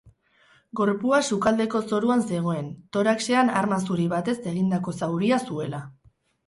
Gorpua sukaldeko zoruan zegoen, toraxean arma zuri batez egindako zauria zuela.